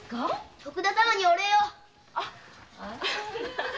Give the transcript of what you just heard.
徳田様にお礼を。